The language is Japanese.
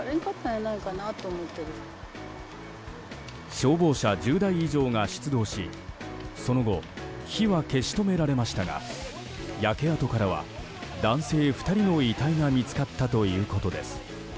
消防車１０台以上が出動しその後火は消し止められましたが焼け跡から男性２人の遺体が見つかったということです。